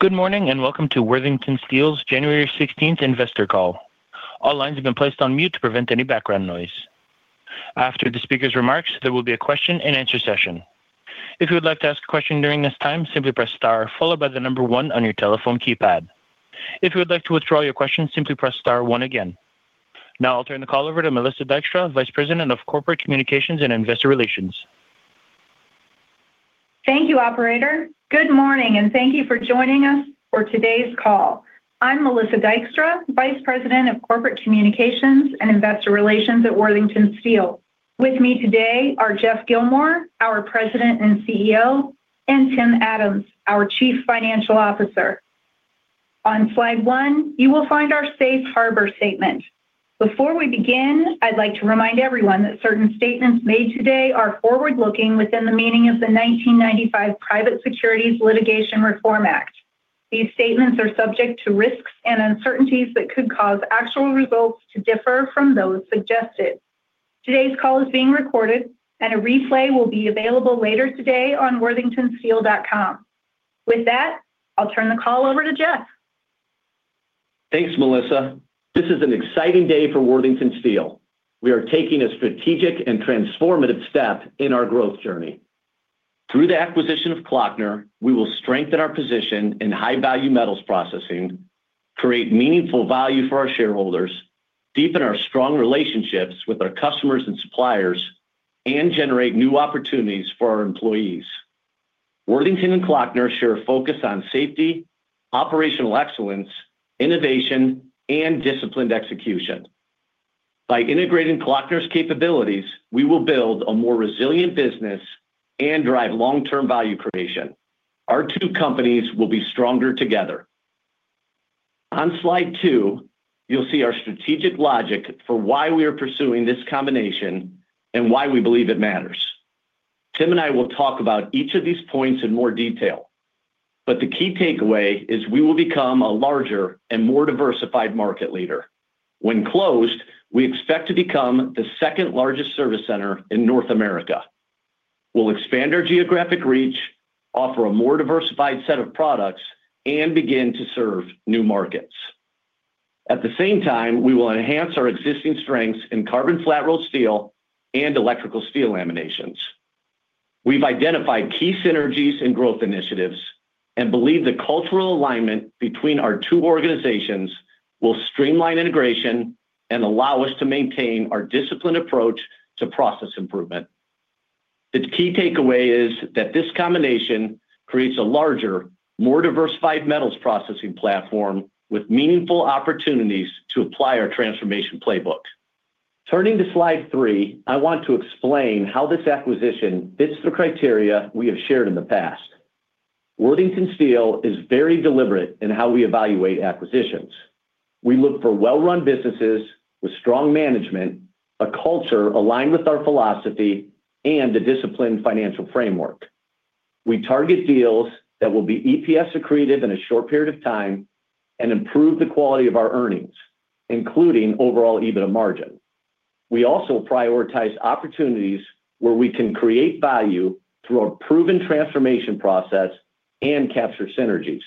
Good morning and welcome to Worthington Steel's January 16th investor call. All lines have been placed on mute to prevent any background noise. After the speaker's remarks, there will be a question-and-answer session. If you would like to ask a question during this time, simply press star followed by the number one on your telephone keypad. If you would like to withdraw your question, simply press star one again. Now I'll turn the call over to Melissa Dykstra, Vice President of Corporate Communications and Investor Relations. Thank you, Operator. Good morning and thank you for joining us for today's call. I'm Melissa Dykstra, Vice President of Corporate Communications and Investor Relations at Worthington Steel. With me today are Geoff Gilmore, our President and CEO, and Tim Adams, our Chief Financial Officer. On slide one, you will find our safe harbor statement. Before we begin, I'd like to remind everyone that certain statements made today are forward-looking within the meaning of the 1995 Private Securities Litigation Reform Act. These statements are subject to risks and uncertainties that could cause actual results to differ from those suggested. Today's call is being recorded, and a replay will be available later today on worthingtonsteel.com. With that, I'll turn the call over to Geoff. Thanks, Melissa. This is an exciting day for Worthington Steel. We are taking a strategic and transformative step in our growth journey. Through the acquisition of Klöckner, we will strengthen our position in high-value metals processing, create meaningful value for our shareholders, deepen our strong relationships with our customers and suppliers, and generate new opportunities for our employees. Worthington and Klöckner share a focus on safety, operational excellence, innovation, and disciplined execution. By integrating Klöckner's capabilities, we will build a more resilient business and drive long-term value creation. Our two companies will be stronger together. On slide two, you'll see our strategic logic for why we are pursuing this combination and why we believe it matters. Tim and I will talk about each of these points in more detail, but the key takeaway is we will become a larger and more diversified market leader. When closed, we expect to become the second largest service center in North America. We'll expand our geographic reach, offer a more diversified set of products, and begin to serve new markets. At the same time, we will enhance our existing strengths in carbon flat roll steel and electrical steel laminations. We've identified key synergies and growth initiatives and believe the cultural alignment between our two organizations will streamline integration and allow us to maintain our disciplined approach to process improvement. The key takeaway is that this combination creates a larger, more diversified metals processing platform with meaningful opportunities to apply our transformation playbook. Turning to slide three, I want to explain how this acquisition fits the criteria we have shared in the past. Worthington Steel is very deliberate in how we evaluate acquisitions. We look for well-run businesses with strong management, a culture aligned with our philosophy, and a disciplined financial framework. We target deals that will be EPS accretive in a short period of time and improve the quality of our earnings, including overall EBITDA margin. We also prioritize opportunities where we can create value through a proven transformation process and capture synergies.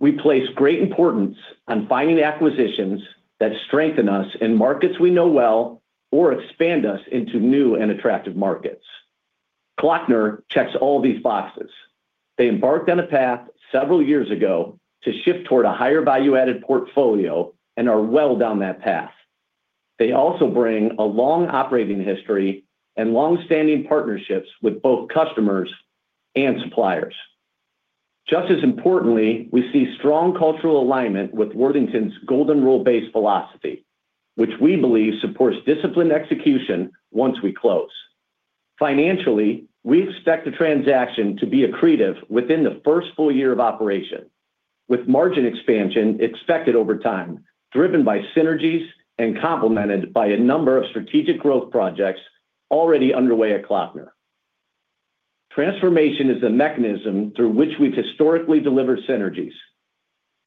We place great importance on finding acquisitions that strengthen us in markets we know well or expand us into new and attractive markets. Klöckner checks all these boxes. They embarked on a path several years ago to shift toward a higher value-added portfolio and are well down that path. They also bring a long operating history and long-standing partnerships with both customers and suppliers. Just as importantly, we see strong cultural alignment with Worthington's Golden Rule-based philosophy, which we believe supports disciplined execution once we close. Financially, we expect the transaction to be accretive within the first full year of operation, with margin expansion expected over time, driven by synergies and complemented by a number of strategic growth projects already underway at Klöckner. Transformation is the mechanism through which we've historically delivered synergies,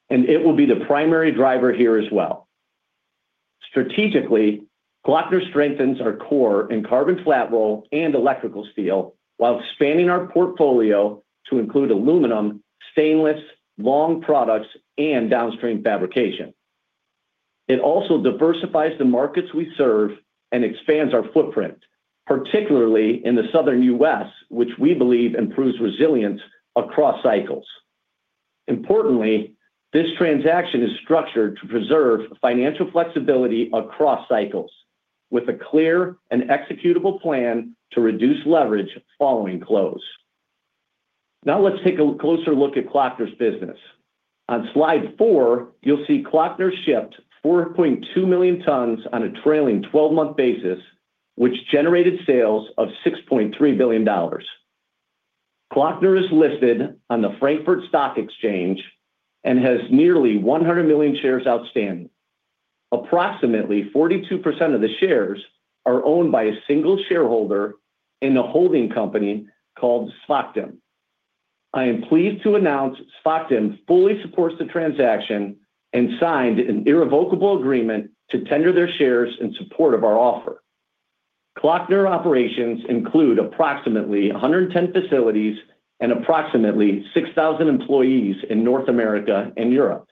and it will be the primary driver here as well. Strategically, Klöckner strengthens our core in carbon flat roll and electrical steel while expanding our portfolio to include aluminum, stainless, long products, and downstream fabrication. It also diversifies the markets we serve and expands our footprint, particularly in the southern U.S., which we believe improves resilience across cycles. Importantly, this transaction is structured to preserve financial flexibility across cycles with a clear and executable plan to reduce leverage following close. Now let's take a closer look at Klöckner's business. On slide four, you'll see Klöckner shipped 4.2 million tons on a trailing 12-month basis, which generated sales of $6.3 billion. Klöckner is listed on the Frankfurt Stock Exchange and has nearly 100 million shares outstanding. Approximately 42% of the shares are owned by a single shareholder in a holding company called SWOCTEM. I am pleased to announce SWOCTEM fully supports the transaction and signed an irrevocable agreement to tender their shares in support of our offer. Klöckner operations include approximately 110 facilities and approximately 6,000 employees in North America and Europe.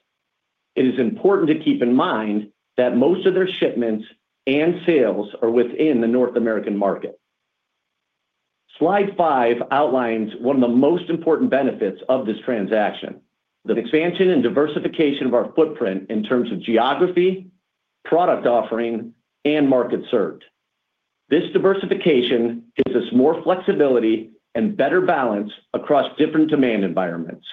It is important to keep in mind that most of their shipments and sales are within the North American market. Slide five outlines one of the most important benefits of this transaction: the expansion and diversification of our footprint in terms of geography, product offering, and market served. This diversification gives us more flexibility and better balance across different demand environments.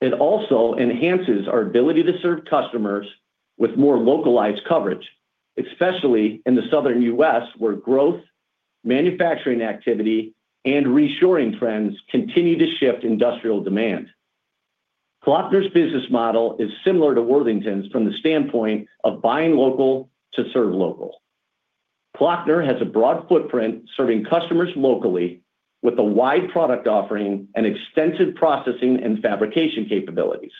It also enhances our ability to serve customers with more localized coverage, especially in the southern U.S., where growth, manufacturing activity, and reshoring trends continue to shift industrial demand. Klöckner's business model is similar to Worthington's from the standpoint of buying local to serve local. Klöckner has a broad footprint serving customers locally with a wide product offering and extensive processing and fabrication capabilities.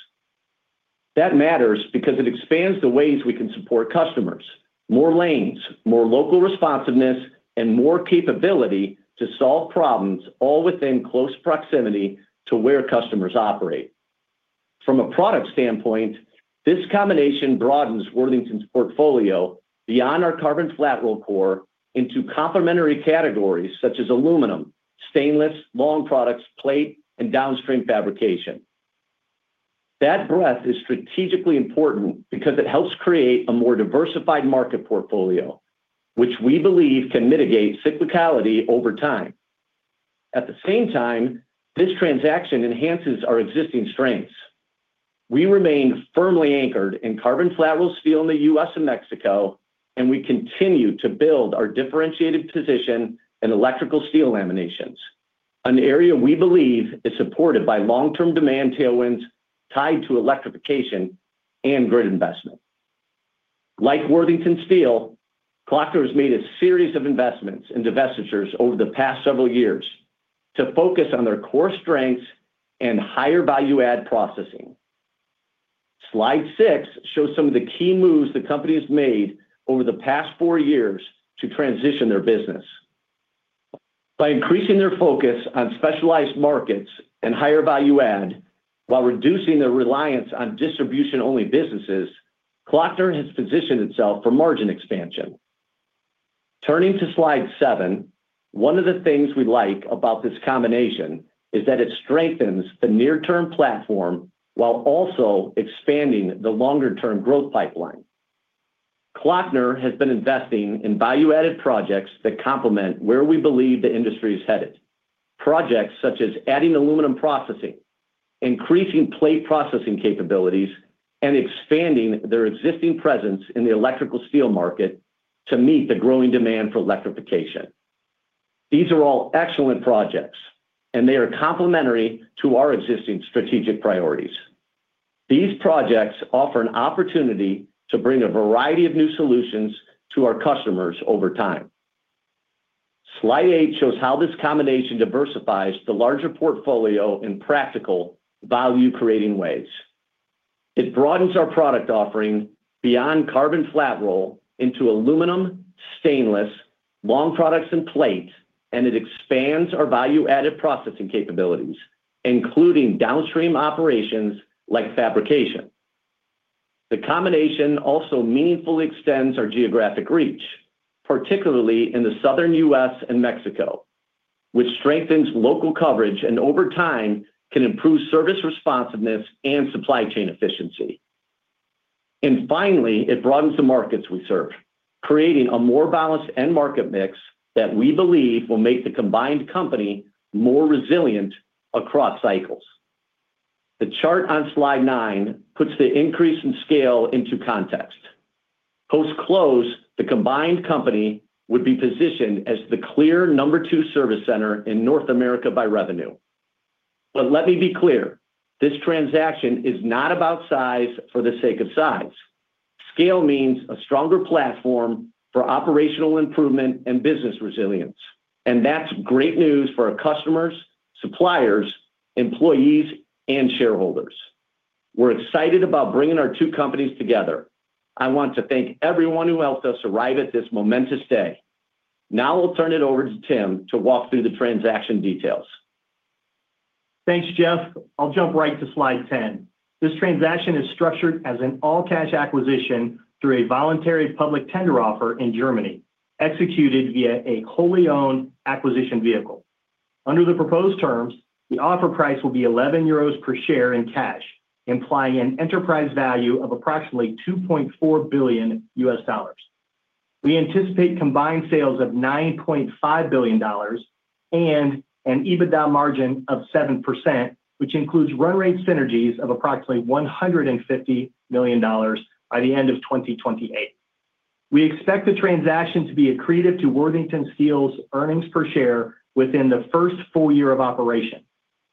That matters because it expands the ways we can support customers: more lanes, more local responsiveness, and more capability to solve problems all within close proximity to where customers operate. From a product standpoint, this combination broadens Worthington's portfolio beyond our carbon flat roll core into complementary categories such as aluminum, stainless, long products, plate, and downstream fabrication. That breadth is strategically important because it helps create a more diversified market portfolio, which we believe can mitigate cyclicality over time. At the same time, this transaction enhances our existing strengths. We remain firmly anchored in carbon flat roll steel in the U.S. and Mexico, and we continue to build our differentiated position in electrical steel laminations, an area we believe is supported by long-term demand tailwinds tied to electrification and grid investment. Like Worthington Steel, Klöckner has made a series of investments in divestitures over the past several years to focus on their core strengths and higher value-add processing. Slide six shows some of the key moves the company has made over the past four years to transition their business. By increasing their focus on specialized markets and higher value-add while reducing their reliance on distribution-only businesses, Klöckner has positioned itself for margin expansion. Turning to slide seven, one of the things we like about this combination is that it strengthens the near-term platform while also expanding the longer-term growth pipeline. Klöckner has been investing in value-added projects that complement where we believe the industry is headed, projects such as adding aluminum processing, increasing plate processing capabilities, and expanding their existing presence in the electrical steel market to meet the growing demand for electrification. These are all excellent projects, and they are complementary to our existing strategic priorities. These projects offer an opportunity to bring a variety of new solutions to our customers over time. Slide eight shows how this combination diversifies the larger portfolio in practical value-creating ways. It broadens our product offering beyond carbon flat roll into aluminum, stainless, long products, and plate, and it expands our value-added processing capabilities, including downstream operations like fabrication. The combination also meaningfully extends our geographic reach, particularly in the Southern U.S. and Mexico, which strengthens local coverage and over time can improve service responsiveness and supply chain efficiency. And finally, it broadens the markets we serve, creating a more balanced end market mix that we believe will make the combined company more resilient across cycles. The chart on slide nine puts the increase in scale into context. Post-close, the combined company would be positioned as the clear number two service center in North America by revenue. But let me be clear, this transaction is not about size for the sake of size. Scale means a stronger platform for operational improvement and business resilience, and that's great news for our customers, suppliers, employees, and shareholders. We're excited about bringing our two companies together. I want to thank everyone who helped us arrive at this momentous day. Now I'll turn it over to Tim to walk through the transaction details. Thanks, Geoff. I'll jump right to slide 10. This transaction is structured as an all-cash acquisition through a voluntary public tender offer in Germany executed via a wholly owned acquisition vehicle. Under the proposed terms, the offer price will be 11 euros per share in cash, implying an enterprise value of approximately $2.4 billion. We anticipate combined sales of $9.5 billion and an EBITDA margin of 7%, which includes run rate synergies of approximately $150 million by the end of 2028. We expect the transaction to be accretive to Worthington Steel's earnings per share within the first full year of operation,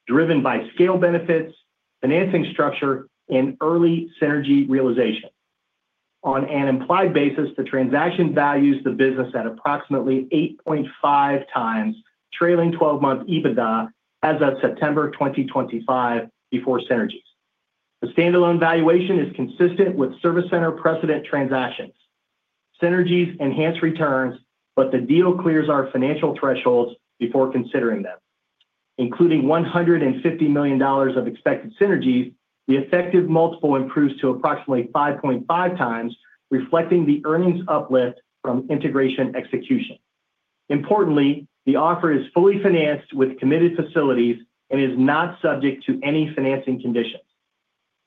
driven by scale benefits, financing structure, and early synergy realization. On an implied basis, the transaction values the business at approximately 8.5 times trailing 12-month EBITDA as of September 2025 before synergies. The standalone valuation is consistent with service center precedent transactions. Synergies enhance returns, but the deal clears our financial thresholds before considering them. Including $150 million of expected synergies, the effective multiple improves to approximately 5.5 times, reflecting the earnings uplift from integration execution. Importantly, the offer is fully financed with committed facilities and is not subject to any financing conditions.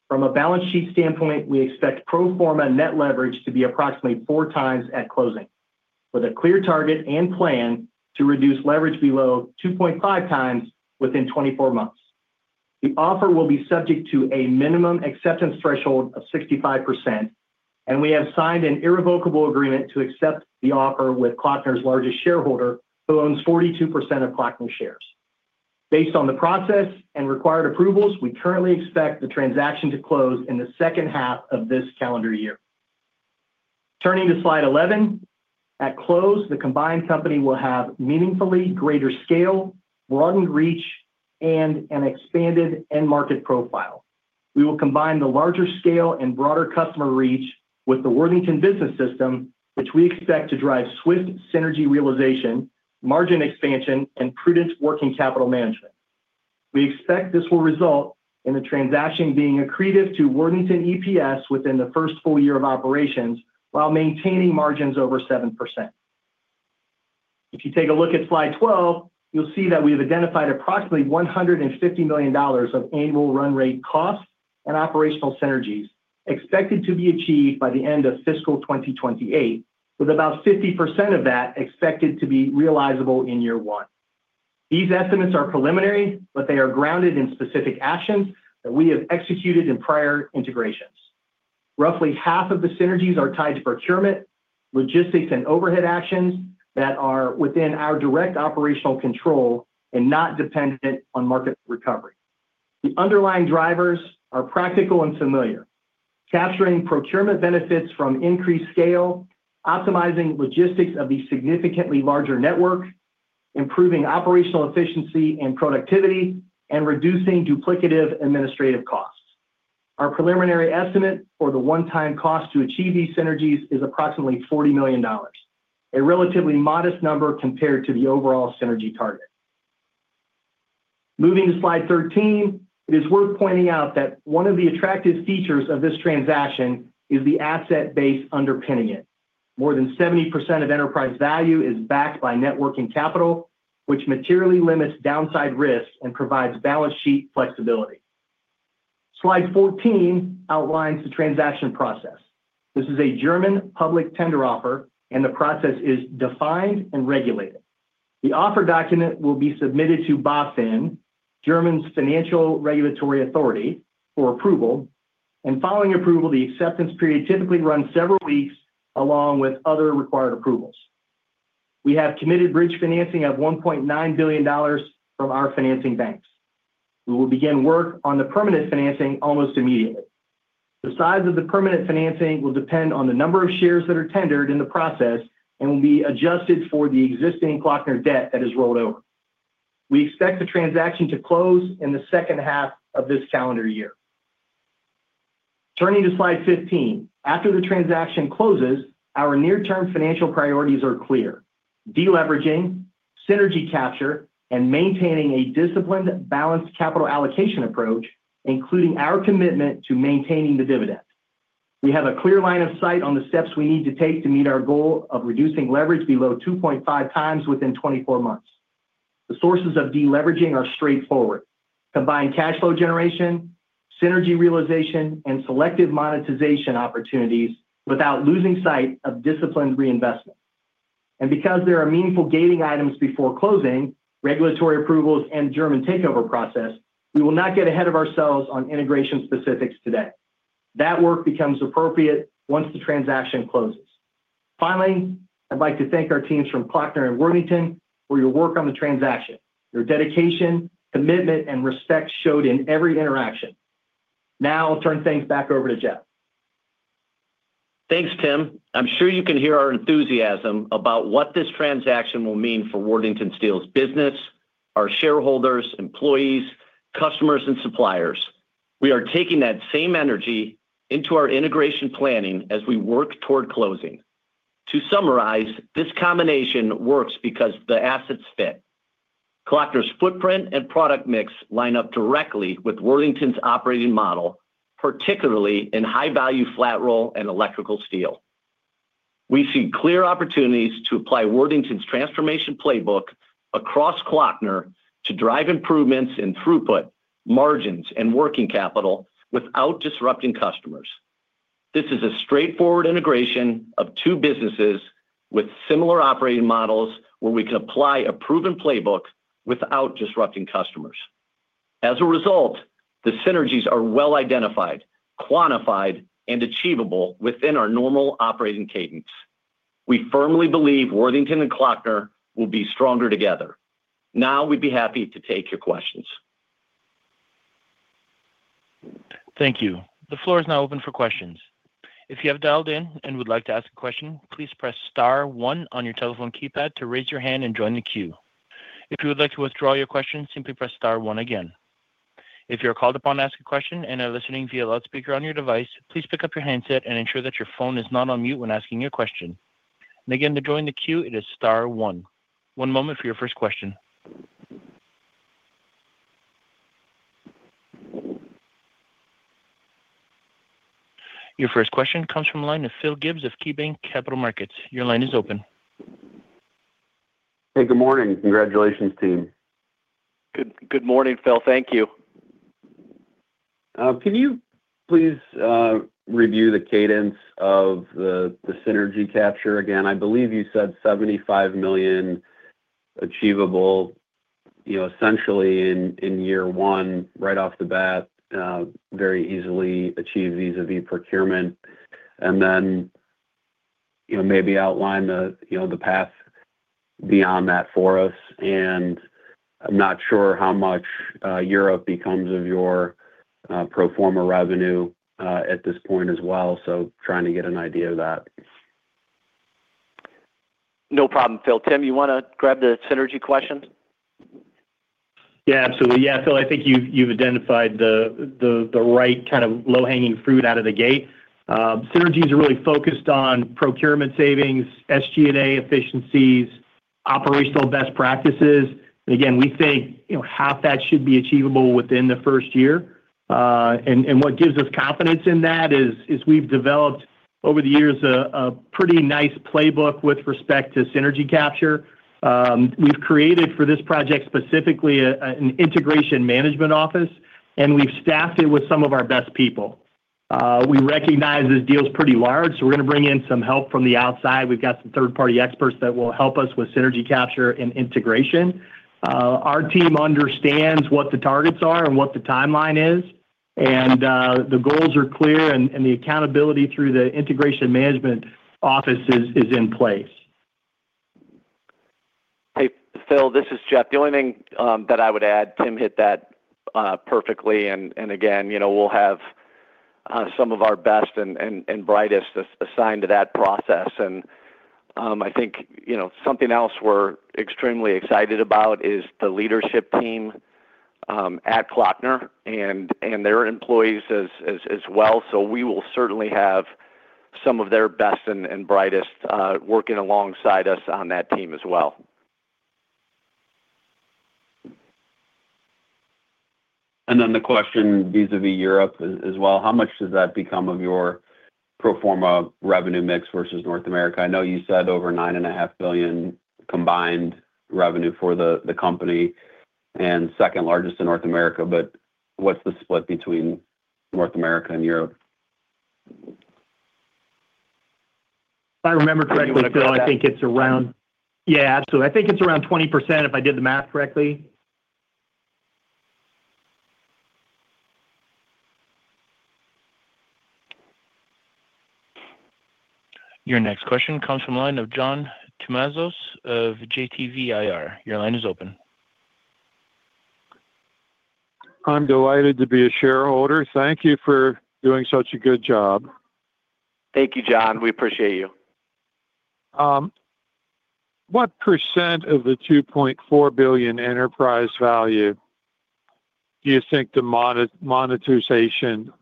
From a balance sheet standpoint, we expect pro forma net leverage to be approximately four times at closing, with a clear target and plan to reduce leverage below 2.5 times within 24 months. The offer will be subject to a minimum acceptance threshold of 65%, and we have signed an irrevocable agreement to accept the offer with Klöckner's largest shareholder, who owns 42% of Klöckner shares. Based on the process and required approvals, we currently expect the transaction to close in the second half of this calendar year. Turning to slide 11, at close, the combined company will have meaningfully greater scale, broadened reach, and an expanded end market profile. We will combine the larger scale and broader customer reach with the Worthington Business System, which we expect to drive swift synergy realization, margin expansion, and prudent working capital management. We expect this will result in the transaction being accretive to Worthington EPS within the first full year of operations while maintaining margins over 7%. If you take a look at slide 12, you'll see that we have identified approximately $150 million of annual run rate costs and operational synergies expected to be achieved by the end of fiscal 2028, with about 50% of that expected to be realizable in year one. These estimates are preliminary, but they are grounded in specific actions that we have executed in prior integrations. Roughly half of the synergies are tied to procurement, logistics, and overhead actions that are within our direct operational control and not dependent on market recovery. The underlying drivers are practical and familiar: capturing procurement benefits from increased scale, optimizing logistics of the significantly larger network, improving operational efficiency and productivity, and reducing duplicative administrative costs. Our preliminary estimate for the one-time cost to achieve these synergies is approximately $40 million, a relatively modest number compared to the overall synergy target. Moving to slide 13, it is worth pointing out that one of the attractive features of this transaction is the asset base underpinning it. More than 70% of enterprise value is backed by net working capital, which materially limits downside risk and provides balance sheet flexibility. Slide 14 outlines the transaction process. This is a German public tender offer, and the process is defined and regulated. The offer document will be submitted to BaFin, Germany's financial regulatory authority, for approval, and following approval, the acceptance period typically runs several weeks along with other required approvals. We have committed bridge financing of $1.9 billion from our financing banks. We will begin work on the permanent financing almost immediately. The size of the permanent financing will depend on the number of shares that are tendered in the process and will be adjusted for the existing Klöckner debt that is rolled over. We expect the transaction to close in the second half of this calendar year. Turning to slide 15, after the transaction closes, our near-term financial priorities are clear: deleveraging, synergy capture, and maintaining a disciplined, balanced capital allocation approach, including our commitment to maintaining the dividend. We have a clear line of sight on the steps we need to take to meet our goal of reducing leverage below 2.5 times within 24 months. The sources of deleveraging are straightforward: combined cash flow generation, synergy realization, and selective monetization opportunities without losing sight of disciplined reinvestment. And because there are meaningful gating items before closing, regulatory approvals, and German takeover process, we will not get ahead of ourselves on integration specifics today. That work becomes appropriate once the transaction closes. Finally, I'd like to thank our teams from Klöckner and Worthington for your work on the transaction, your dedication, commitment, and respect showed in every interaction. Now I'll turn things back over to Geoff. Thanks, Tim. I'm sure you can hear our enthusiasm about what this transaction will mean for Worthington Steel's business, our shareholders, employees, customers, and suppliers. We are taking that same energy into our integration planning as we work toward closing. To summarize, this combination works because the assets fit. Klöckner's footprint and product mix line up directly with Worthington's operating model, particularly in high-value flat roll and electrical steel. We see clear opportunities to apply Worthington's transformation playbook across Klöckner to drive improvements in throughput, margins, and working capital without disrupting customers. This is a straightforward integration of two businesses with similar operating models where we can apply a proven playbook without disrupting customers. As a result, the synergies are well identified, quantified, and achievable within our normal operating cadence. We firmly believe Worthington and Klöckner will be stronger together. Now we'd be happy to take your questions. Thank you. The floor is now open for questions. If you have dialed in and would like to ask a question, please press star one on your telephone keypad to raise your hand and join the queue. If you would like to withdraw your question, simply press star one again. If you're called upon to ask a question and are listening via loudspeaker on your device, please pick up your handset and ensure that your phone is not on mute when asking your question, and again, to join the queue, it is star one. One moment for your first question. Your first question comes from a line of Phil Gibbs of KeyBanc Capital Markets. Your line is open. Hey, good morning. Congratulations, Tim. Good morning, Phil. Thank you. Can you please review the cadence of the synergy capture again? I believe you said $75 million achievable, essentially in year one, right off the bat, very easily achieved vis-à-vis procurement, and then maybe outline the path beyond that for us. And I'm not sure how much Europe becomes of your pro forma revenue at this point as well, so trying to get an idea of that. No problem, Phil. Tim, you want to grab the synergy question? Yeah, absolutely. Yeah, Phil, I think you've identified the right kind of low-hanging fruit out of the gate. Synergies are really focused on procurement savings, SG&A efficiencies, operational best practices. And again, we think half that should be achievable within the first year. And what gives us confidence in that is we've developed over the years a pretty nice playbook with respect to synergy capture. We've created for this project specifically an integration management office, and we've staffed it with some of our best people. We recognize this deal is pretty large, so we're going to bring in some help from the outside. We've got some third-party experts that will help us with synergy capture and integration. Our team understands what the targets are and what the timeline is, and the goals are clear, and the accountability through the integration management office is in place. Hey, Phil, this is Geoff. The only thing that I would add, Tim hit that perfectly. And again, we'll have some of our best and brightest assigned to that process. And I think something else we're extremely excited about is the leadership team at Klöckner and their employees as well. So we will certainly have some of their best and brightest working alongside us on that team as well. And then the question vis-à-vis Europe as well, how much does that become of your pro forma revenue mix versus North America? I know you said over $9.5 billion combined revenue for the company and second largest in North America, but what's the split between North America and Europe? If I remember correctly, Phil, I think it's around. I think so. Yeah, absolutely. I think it's around 20% if I did the math correctly. Your next question comes from a line of John Tumazos of JTVIR. Your line is open. I'm delighted to be a shareholder. Thank you for doing such a good job. Thank you, John. We appreciate you. What percent of the $2.4 billion enterprise value do you think the monetization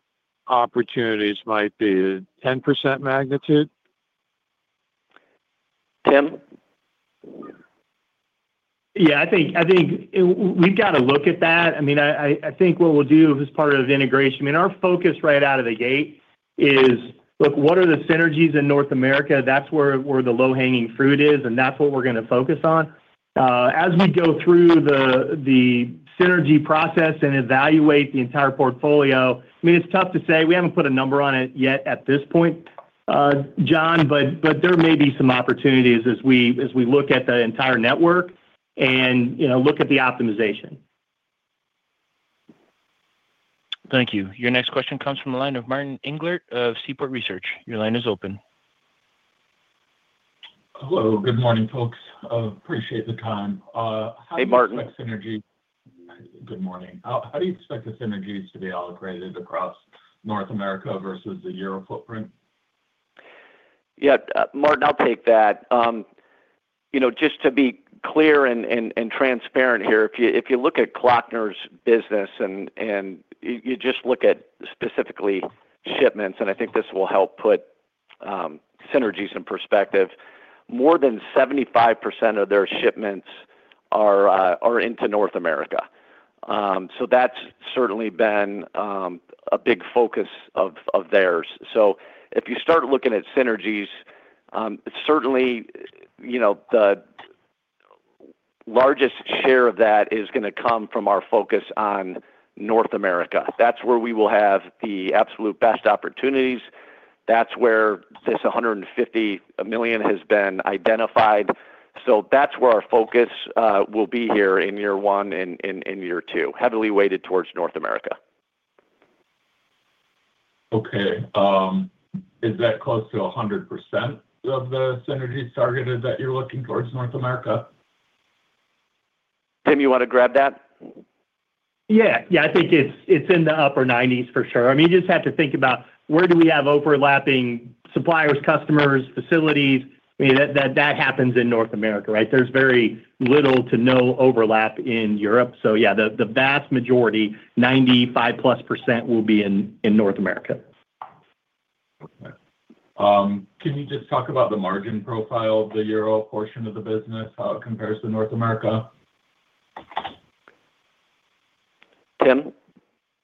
opportunities might be? 10% magnitude? Tim? Yeah, I think we've got to look at that. I mean, I think what we'll do as part of integration, I mean, our focus right out of the gate is, look, what are the synergies in North America? That's where the low-hanging fruit is, and that's what we're going to focus on. As we go through the synergy process and evaluate the entire portfolio, I mean, it's tough to say. We haven't put a number on it yet at this point, John, but there may be some opportunities as we look at the entire network and look at the optimization. Thank you. Your next question comes from a line of Martin Englert of Seaport Research. Your line is open. Hello, good morning, folks. Appreciate the time. Hey, Martin. How do you expect synergy? Good morning. How do you expect the synergies to be allocated across North America versus the Europe footprint? Yeah, Martin, I'll take that. Just to be clear and transparent here, if you look at Klöckner's business and you just look at specifically shipments, and I think this will help put synergies in perspective, more than 75% of their shipments are into North America. So that's certainly been a big focus of theirs. So if you start looking at synergies, certainly the largest share of that is going to come from our focus on North America. That's where we will have the absolute best opportunities. That's where this $150 million has been identified. So that's where our focus will be here in year one and year two, heavily weighted towards North America. Okay. Is that close to 100% of the synergies targeted that you're looking towards North America? Tim, you want to grab that? Yeah. Yeah, I think it's in the upper 90s for sure. I mean, you just have to think about where do we have overlapping suppliers, customers, facilities. I mean, that happens in North America, right? There's very little to no overlap in Europe. So yeah, the vast majority, 95%+, will be in North America. Okay. Can you just talk about the margin profile of the Euro portion of the business, how it compares to North America? Tim?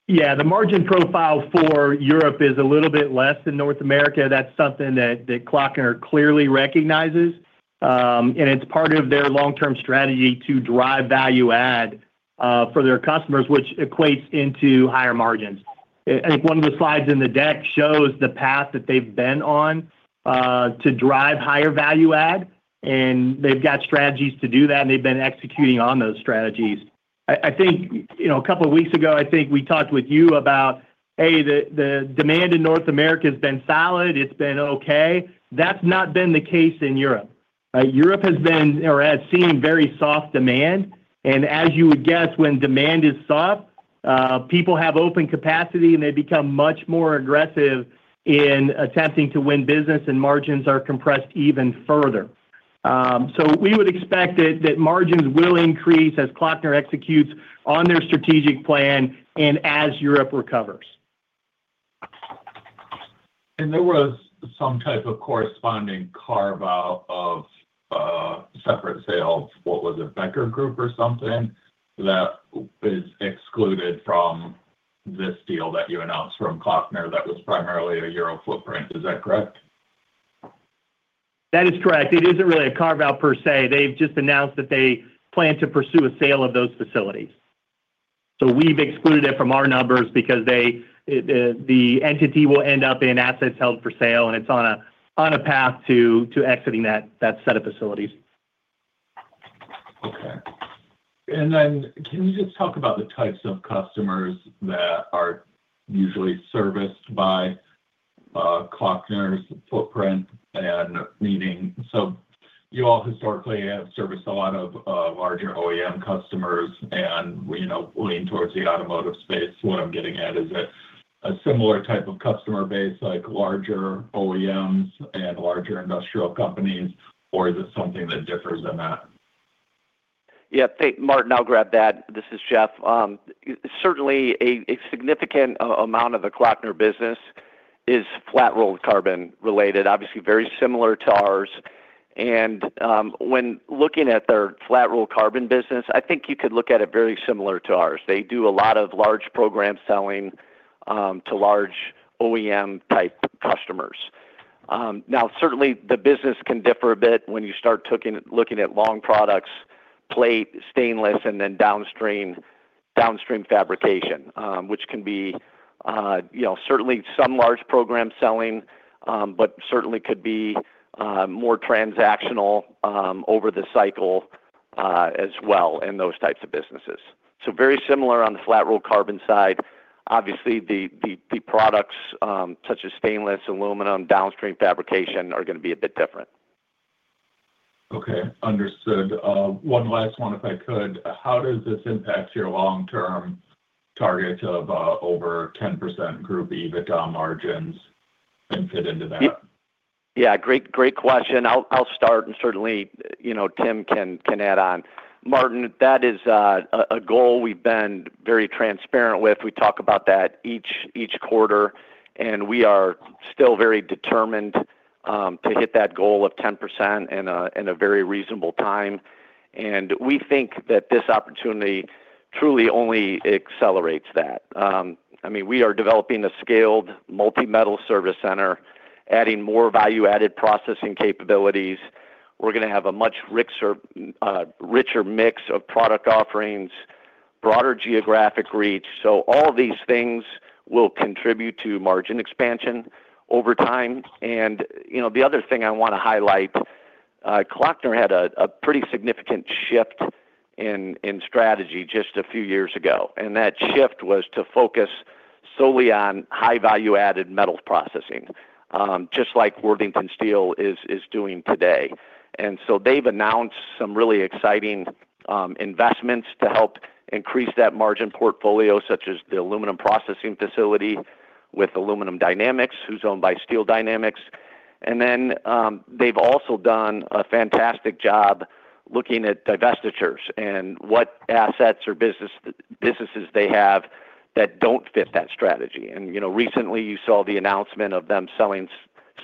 Yeah, the margin profile for Europe is a little bit less than North America. That's something that Klöckner clearly recognizes. And it's part of their long-term strategy to drive value-add for their customers, which equates into higher margins. I think one of the slides in the deck shows the path that they've been on to drive higher value-add, and they've got strategies to do that, and they've been executing on those strategies. I think a couple of weeks ago, I think we talked with you about, "Hey, the demand in North America has been solid. It's been okay." That's not been the case in Europe, right? Europe has been or has seen very soft demand. And as you would guess, when demand is soft, people have open capacity, and they become much more aggressive in attempting to win business, and margins are compressed even further. So we would expect that margins will increase as Klöckner executes on their strategic plan and as Europe recovers. And there was some type of corresponding carve-out of separate sales, what was it, Becker Group or something, that is excluded from this deal that you announced from Klöckner that was primarily a European footprint. Is that correct? That is correct. It isn't really a carve-out per se. They've just announced that they plan to pursue a sale of those facilities. So we've excluded it from our numbers because the entity will end up in assets held for sale, and it's on a path to exiting that set of facilities. Okay. And then can you just talk about the types of customers that are usually serviced by Klöckner's footprint? And meaning, so you all historically have serviced a lot of larger OEM customers and lean towards the automotive space. What I'm getting at, is it a similar type of customer base like larger OEMs and larger industrial companies, or is it something that differs in that? Yeah, Martin, I'll grab that. This is Geoff. Certainly, a significant amount of the Klöckner business is flat roll carbon related, obviously very similar to ours, and when looking at their flat roll carbon business, I think you could look at it very similar to ours. They do a lot of large program selling to large OEM-type customers. Now, certainly, the business can differ a bit when you start looking at long products, plate, stainless, and then downstream fabrication, which can be certainly some large program selling, but certainly could be more transactional over the cycle as well in those types of businesses, so very similar on the flat roll carbon side. Obviously, the products such as stainless, aluminum, downstream fabrication are going to be a bit different. Okay. Understood. One last one, if I could. How does this impact your long-term target of over 10% group EBITDA margins and fit into that? Yeah, great question. I'll start, and certainly, Tim can add on. Martin, that is a goal we've been very transparent with. We talk about that each quarter, and we are still very determined to hit that goal of 10% in a very reasonable time. And we think that this opportunity truly only accelerates that. I mean, we are developing a scaled multi-metal service center, adding more value-added processing capabilities. We're going to have a much richer mix of product offerings, broader geographic reach. So all these things will contribute to margin expansion over time. And the other thing I want to highlight, Klöckner had a pretty significant shift in strategy just a few years ago. And that shift was to focus solely on high-value-added metal processing, just like Worthington Steel is doing today. And so they've announced some really exciting investments to help increase that margin portfolio, such as the aluminum processing facility with Aluminum Dynamics, who's owned by Steel Dynamics. And then they've also done a fantastic job looking at divestitures and what assets or businesses they have that don't fit that strategy. And recently, you saw the announcement of them selling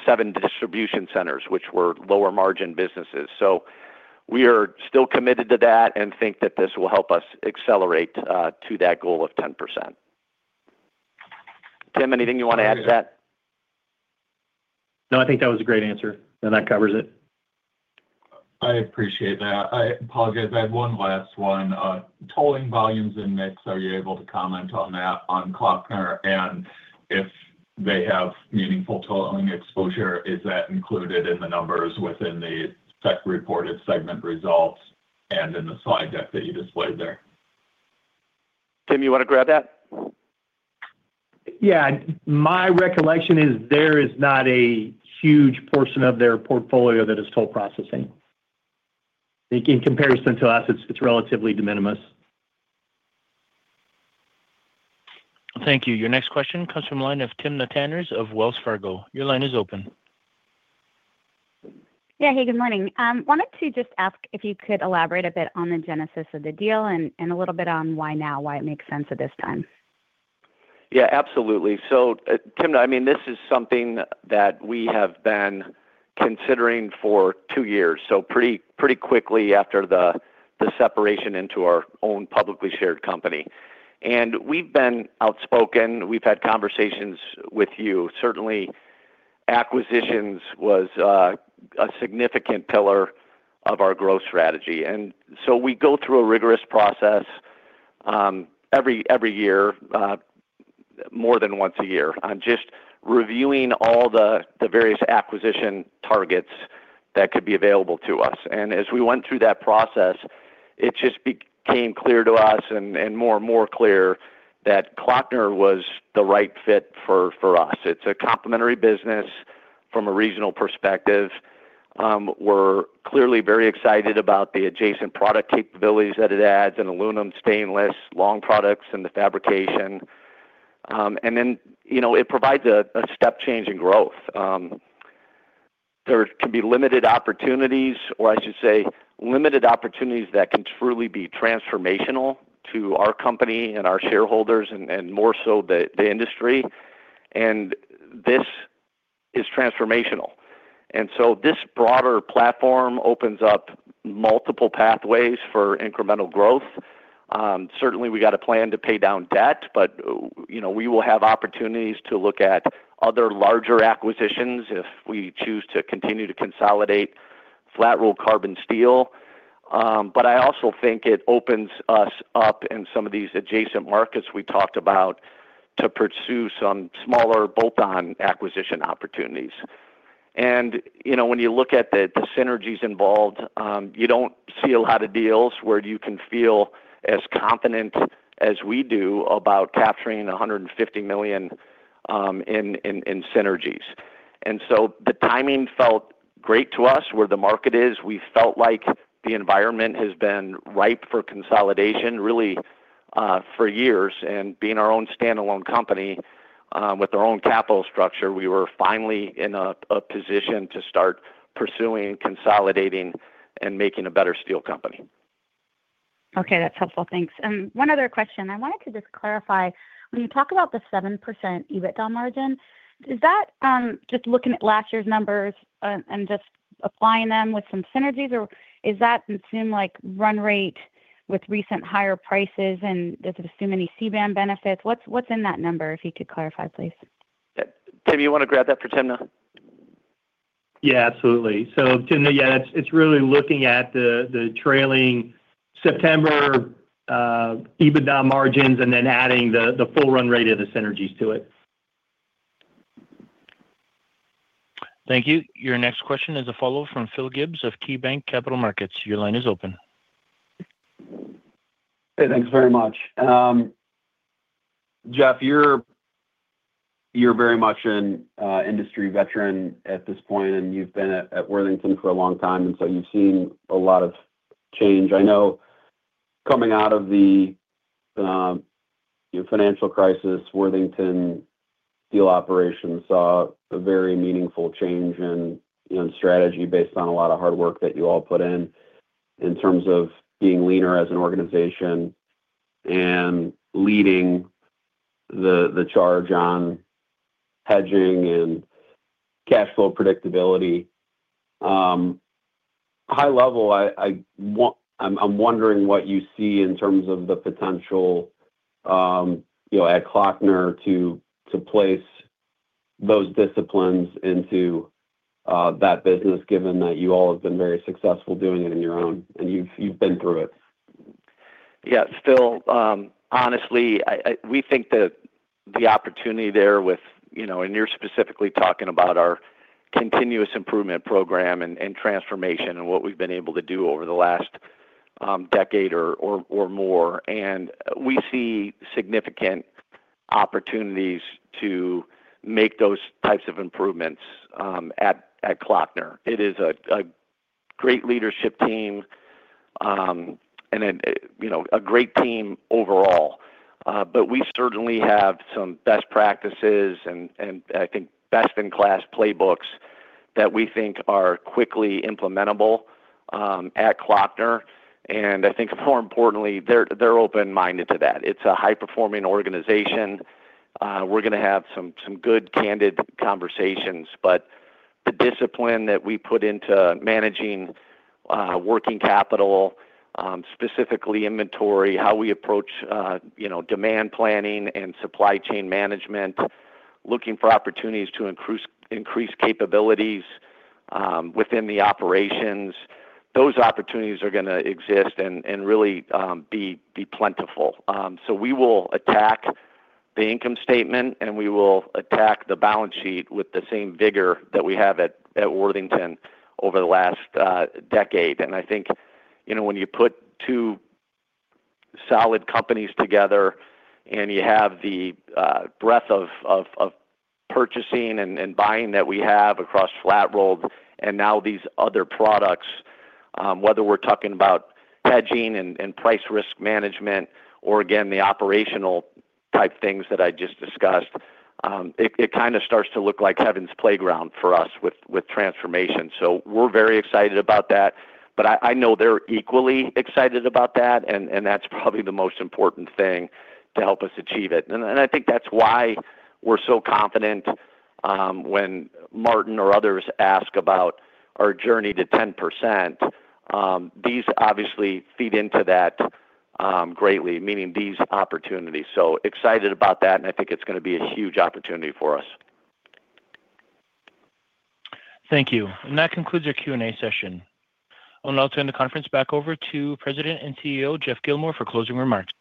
seven distribution centers, which were lower-margin businesses. So we are still committed to that and think that this will help us accelerate to that goal of 10%. Tim, anything you want to add to that? No, I think that was a great answer, and that covers it. I appreciate that. I apologize. I have one last one. tolling volumes and mix, are you able to comment on that on Klöckner? And if they have meaningful tolling exposure, is that included in the numbers within the tech reported segment results and in the slide deck that you displayed there? Tim, you want to grab that? Yeah. My recollection is there is not a huge portion of their portfolio that is toll processing. In comparison to us, it's relatively de minimis. Thank you. Your next question comes from a line of Timna Tanners of Wells Fargo. Your line is open. Yeah. Hey, good morning. I wanted to just ask if you could elaborate a bit on the genesis of the deal and a little bit on why now, why it makes sense at this time. Yeah, absolutely. So Tim, I mean, this is something that we have been considering for two years, so pretty quickly after the separation into our own publicly shared company. And we've been outspoken. We've had conversations with you. Certainly, acquisitions was a significant pillar of our growth strategy. And so we go through a rigorous process every year, more than once a year, on just reviewing all the various acquisition targets that could be available to us. And as we went through that process, it just became clear to us and more and more clear that Klöckner was the right fit for us. It's a complementary business from a regional perspective. We're clearly very excited about the adjacent product capabilities that it adds in aluminum, stainless, long products, and the fabrication. And then it provides a step-changing growth. There can be limited opportunities, or I should say limited opportunities that can truly be transformational to our company and our shareholders and more so the industry, and this is transformational, and so this broader platform opens up multiple pathways for incremental growth. Certainly, we got a plan to pay down debt, but we will have opportunities to look at other larger acquisitions if we choose to continue to consolidate flat roll carbon steel, but I also think it opens us up in some of these adjacent markets we talked about to pursue some smaller bolt-on acquisition opportunities, and when you look at the synergies involved, you don't see a lot of deals where you can feel as confident as we do about capturing $150 million in synergies, and so the timing felt great to us. Where the market is, we felt like the environment has been ripe for consolidation really for years. And being our own standalone company with our own capital structure, we were finally in a position to start pursuing consolidating and making a better steel company. Okay. That's helpful. Thanks. And one other question. I wanted to just clarify. When you talk about the 7% EBITDA margin, is that just looking at last year's numbers and just applying them with some synergies, or is that to assume run rate with recent higher prices and does it assume any CBAM benefits? What's in that number, if you could clarify, please? Tim, you want to grab that for Tim now? Yeah, absolutely. So Tim, yeah, it's really looking at the trailing September EBITDA margins and then adding the full run rate of the synergies to it. Thank you. Your next question is a follow-up from Phil Gibbs of KeyBanc Capital Markets. Your line is open. Hey, thanks very much. Geoff, you're very much an industry veteran at this point, and you've been at Worthington for a long time, and so you've seen a lot of change. I know coming out of the financial crisis, Worthington Steel Operations saw a very meaningful change in strategy based on a lot of hard work that you all put in in terms of being leaner as an organization and leading the charge on hedging and cash flow predictability. High level, I'm wondering what you see in terms of the potential at Klöckner to place those disciplines into that business, given that you all have been very successful doing it on your own, and you've been through it? Yeah. Still, honestly, we think the opportunity there with, and you're specifically talking about our continuous improvement program and transformation and what we've been able to do over the last decade or more, and we see significant opportunities to make those types of improvements at Klöckner. It is a great leadership team and a great team overall, but we certainly have some best practices and, I think, best-in-class playbooks that we think are quickly implementable at Klöckner, and I think, more importantly, they're open-minded to that. It's a high-performing organization. We're going to have some good candid conversations, but the discipline that we put into managing working capital, specifically inventory, how we approach demand planning and supply chain management, looking for opportunities to increase capabilities within the operations, those opportunities are going to exist and really be plentiful. So we will attack the income statement, and we will attack the balance sheet with the same vigor that we have at Worthington over the last decade. And I think when you put two solid companies together and you have the breadth of purchasing and buying that we have across flat roll and now these other products, whether we're talking about hedging and price risk management or, again, the operational type things that I just discussed, it kind of starts to look like heaven's playground for us with transformation. So we're very excited about that, but I know they're equally excited about that, and that's probably the most important thing to help us achieve it. And I think that's why we're so confident when Martin or others ask about our journey to 10%. These obviously feed into that greatly, meaning these opportunities. So excited about that, and I think it's going to be a huge opportunity for us. Thank you. And that concludes our Q&A session. I'll now turn the conference back over to President and CEO Geoff Gilmore for closing remarks.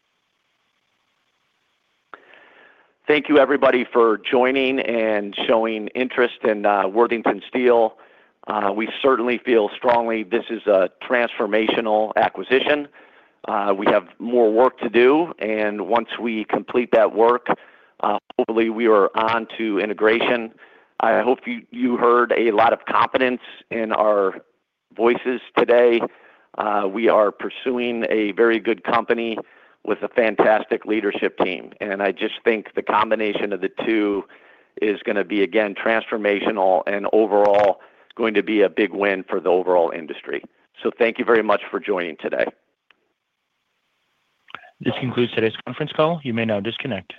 Thank you, everybody, for joining and showing interest in Worthington Steel. We certainly feel strongly this is a transformational acquisition. We have more work to do, and once we complete that work, hopefully, we are on to integration. I hope you heard a lot of confidence in our voices today. We are pursuing a very good company with a fantastic leadership team, and I just think the combination of the two is going to be, again, transformational and overall going to be a big win for the overall industry, so thank you very much for joining today. This concludes today's conference call. You may now disconnect.